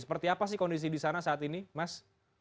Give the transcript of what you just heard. seperti apa sih kondisi di sana saat ini mas